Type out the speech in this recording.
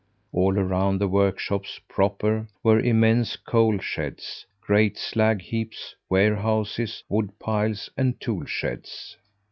All around the workshops proper were immense coal sheds, great slag heaps, warehouses, wood piles, and tool sheds.